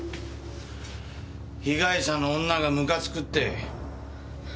被害者の女がムカつくって。